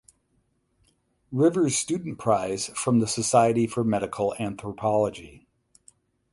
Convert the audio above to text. Rivers Student Prize from the Society for Medical Anthropology.